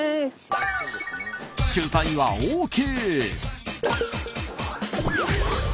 取材はＯＫ！